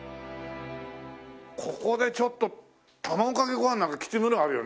ここでちょっと卵かけご飯なんかきついものがあるよね。